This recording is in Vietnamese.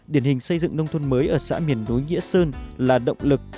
điển hình xây dựng nông thôn mới ở xã miền đối nghĩa sơn là động lực